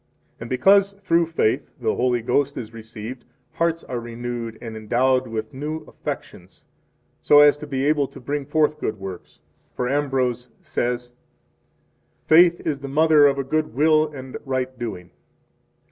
29 And because through faith the Holy Ghost is received, hearts are renewed and endowed with new affections, so as to be able to bring forth good works. 30 For Ambrose says: Faith is the mother of a good will and right doing.